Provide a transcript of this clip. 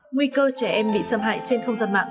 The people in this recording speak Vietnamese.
nguy cơ trẻ em bị xâm hại trên không gian mạng